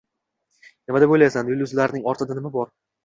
Nima deb o‘ylaysan, yulduzlarning ortida nima bor?